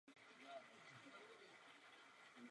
Esp osmtisíc dvěstě šedesát šest WiFi